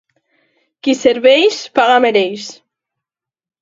Qui serveix, paga mereix.